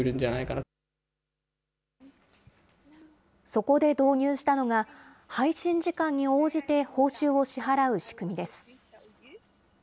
そこで導入したのが、配信時間に応じて報酬を支払う仕組みです。